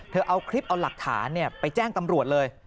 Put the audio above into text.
เอาคลิปเอาหลักฐานไปแจ้งตำรวจเลย